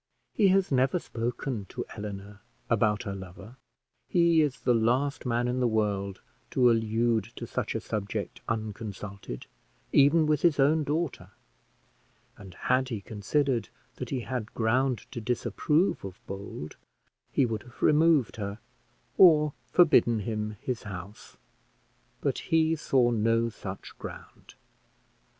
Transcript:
He has never spoken to Eleanor about her lover; he is the last man in the world to allude to such a subject unconsulted, even with his own daughter; and had he considered that he had ground to disapprove of Bold, he would have removed her, or forbidden him his house; but he saw no such ground.